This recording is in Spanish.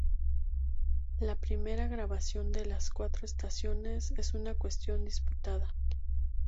La primera grabación de "Las cuatro estaciones" es una cuestión disputada.